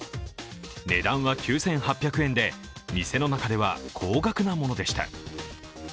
値段は９８００円で、店の中では高額なものでした。